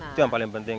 itu yang paling penting